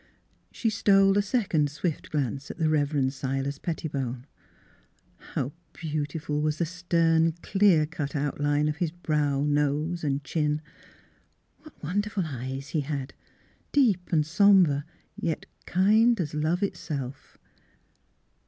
She stole a second swift glance at the Rev. Silas Pettibone. How beautiful was the stern, clear cut outline of his brow, nose, and chin ! What won derful eyes he had; deep and somber yet kind as love itself.